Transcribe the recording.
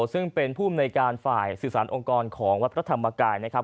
ซึ่งเป็นผู้อำนวยการฝ่ายสื่อสารองค์กรของวัดพระธรรมกายนะครับ